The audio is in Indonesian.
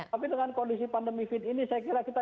tapi dengan kondisi pandemi fit ini saya kira kita